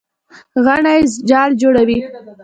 غڼې جال جوړوي.